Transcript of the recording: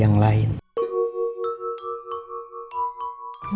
kalau udah begini